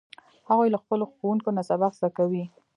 هغوی له خپلو ښوونکو نه سبق زده کوي